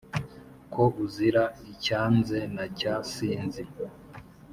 Ko uzira icyanze na cya sinzi